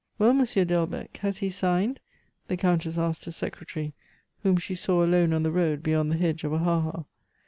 "Well, Monsieur Delbecq, has he signed?" the Countess asked her secretary, whom she saw alone on the road beyond the hedge of a haha.